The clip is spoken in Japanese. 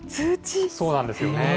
そうなんですよね。